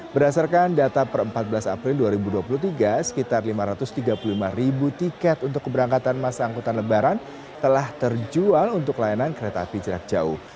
berdasarkan data per empat belas april dua ribu dua puluh tiga sekitar lima ratus tiga puluh lima ribu tiket untuk keberangkatan masa angkutan lebaran telah terjual untuk layanan kereta api jarak jauh